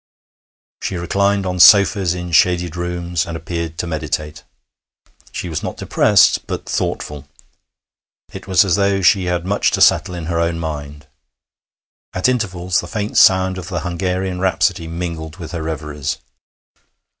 She reclined on sofas in shaded rooms, and appeared to meditate. She was not depressed, but thoughtful. It was as though she had much to settle in her own mind. At intervals the faint sound of the Hungarian Rhapsody mingled with her reveries.